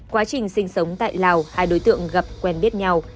quá trình sinh sống tại lào hai đối tượng gặp quen biết nhau